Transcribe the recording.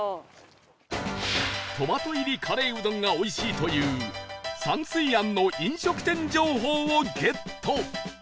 トマト入りカレーうどんがおいしいという山水庵の飲食店情報をゲット